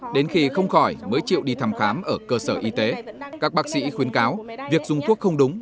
đến khi không khỏi mới chịu đi thăm khám ở cơ sở y tế các bác sĩ khuyến cáo việc dùng thuốc không đúng